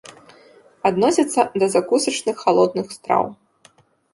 Адносіцца да закусачных халодных страў.